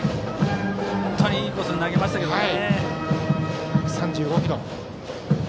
本当にいいコースに投げましたけどね。